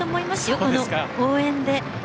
この応援で。